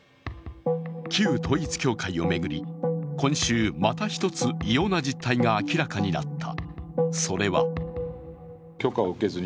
旧統一教会を巡り、今週また一つ異様な実態が明らかになった。